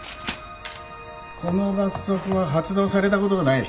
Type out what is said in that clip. この罰則は発動されたことがない。